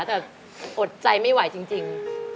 แต่อดใจไม่ไหวจริง